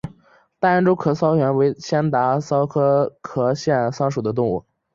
大洋洲壳腺溞为仙达溞科壳腺溞属的动物。